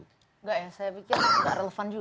enggak ya saya pikir nggak relevan juga